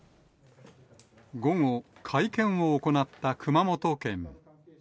午後、会見を行った熊本県。